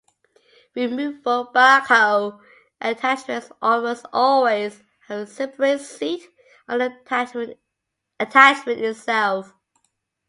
Removable backhoe attachments almost always have a separate seat on the attachment itself.